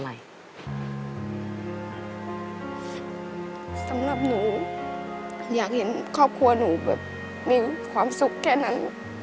สำหรับหนูอยากเห็นครอบครัวหนูแบบมีความสุขแค่นั้น